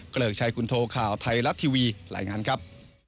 เกริกชัยคุณโทข่าวไทยรัฐทีวีรายงานครับ